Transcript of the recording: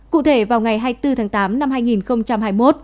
cụ thể vào ngày hai mươi bốn tháng tám năm hai nghìn hai mươi một